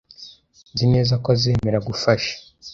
Nzi neza ko azemera gufasha.